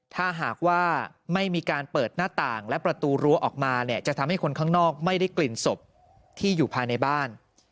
ถ้าหากว่าไม่มีการเปิดหน้าต่างและประตูรั้วออกมาเนี่ยจะทำให้คนข้างนอกไม่ได้กลิ่นศพที่อยู่ภายในบ้าน